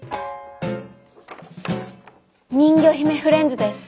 人魚姫フレンズです。